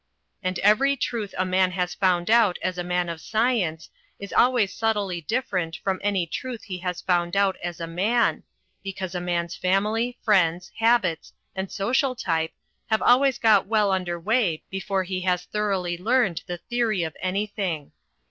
And every truth a man has found out as a man of science is always subtly different from any truth he has found out as a man, because a man's family, friends, habits and social t3rpe have always got well under way before he has thoroughly learned the theory of an)rthing.